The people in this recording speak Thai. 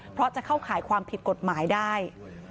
เพราะจะเข้าข่ายความผิดกฎหมายได้